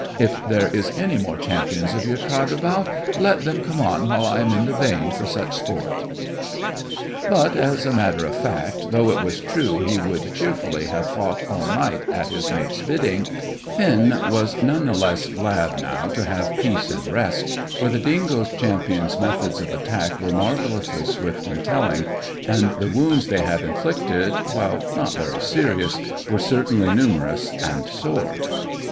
If there are any more champions of your tribe about, let them come on while I am in the vein for such sport." But, as a matter of fact, though it was true he would cheerfully have fought all night at his mate's bidding, Finn was none the less glad now to have peace and rest, for the dingo champions' methods of attack were marvellously swift and telling, and the wounds they had inflicted, while not very serious, were certainly numerous and sore.